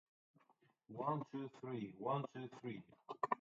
His "no title" poems are regarded as "pure poetry" by some modern critics.